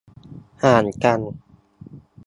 ห่างกัน